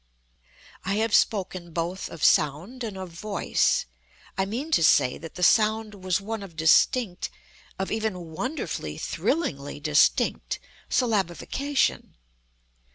I have spoken both of "sound" and of "voice." I mean to say that the sound was one of distinct—of even wonderfully, thrillingly distinct—syllabification.